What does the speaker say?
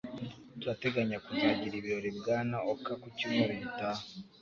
Turateganya kuzagira ibirori Bwana Oka ku cyumweru gitaha.